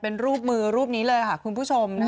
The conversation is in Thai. เป็นรูปมือรูปนี้เลยค่ะคุณผู้ชม